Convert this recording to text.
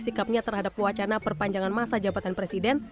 sikapnya terhadap wacana perpanjangan masa jabatan presiden